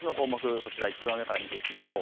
こちらいちばん上から見ていきましょう。